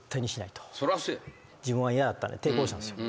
自分は嫌だったんで抵抗したんですよ。